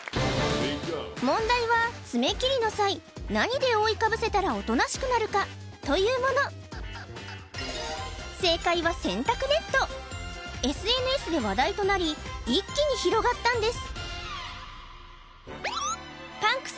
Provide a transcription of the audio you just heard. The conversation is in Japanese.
問題は爪切りの際何で覆いかぶせたらおとなしくなるか？というものＳＮＳで話題となり一気に広がったんです